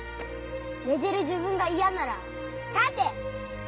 寝てる自分が嫌なら立て！